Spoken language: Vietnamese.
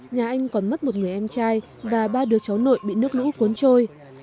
nhà anh còn mất một người em trai và ba đứa cháu nội bị nước lũ cuốn trôi